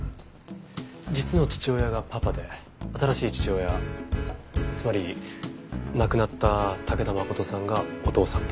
実の父親がパパで新しい父親つまり亡くなった武田誠さんがお父さんと。